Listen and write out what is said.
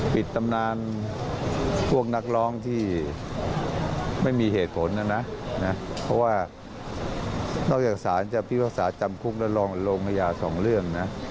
ตำนานพวกนักร้องที่ไม่มีเหตุผลนะนะเพราะว่านอกจากสารจะพิพากษาจำคุกแล้วลงพญาสองเรื่องนะ